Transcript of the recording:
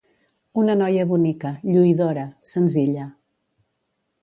—Una noia bonica, lluïdora, senzilla.